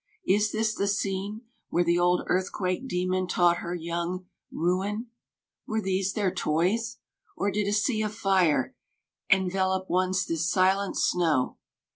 — Is this the scene Where the old Earthquake daemon taught her young Ruin ? Were these their toys ? or did a sea Of fire, envelope once this silent snow